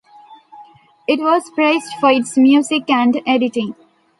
It was praised for its music and editing.